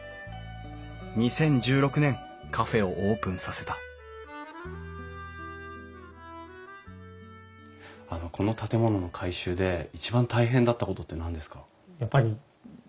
２０１６年カフェをオープンさせたこの建物の改修で一番大変だったことって何ですか？